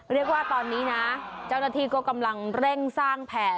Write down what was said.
เรียกว่าตอนนี้นะเจ้าหน้าที่ก็กำลังเร่งสร้างแผ่